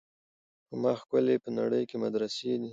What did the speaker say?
په ما ښکلي په نړۍ کي مدرسې دي